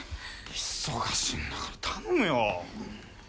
忙しいんだから頼むよ。